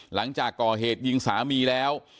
หลังจากก่อเหตุยิงสามีแล้ว